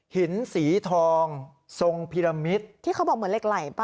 หินสีทองทรงพิรมิตที่เขาบอกเหมือนเหล็กไหล่ป่